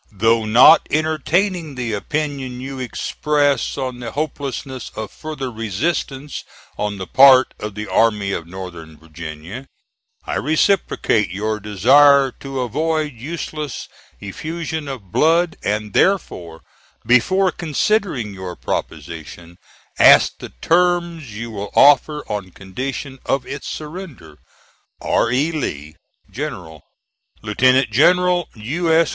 Though not entertaining the opinion you express on the hopelessness of further resistance on the part of the Army of Northern Virginia, I reciprocate your desire to avoid useless effusion of blood, and therefore before considering your proposition, ask the terms you will offer on condition of its surrender. R. E. LEE, General. LIEUT. GENERAL U. S.